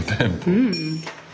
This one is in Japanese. うん。